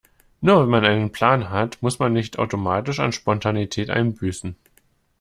Nur weil man einen Plan hat, muss man nicht automatisch an Spontanität einbüßen.